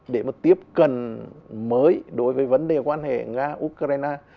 để mà tiếp cận mới đối với vấn đề quan hệ nga ukraine